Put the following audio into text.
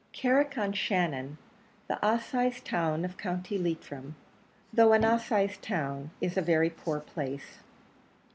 Carrick on Shannon, the assize town of County Leitrim, though an assize town, is a very poor place.